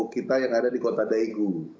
kita yang ada di kota daegu